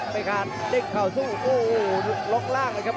ดาบดำเล่นงานบนเวลาตัวด้วยหันขวา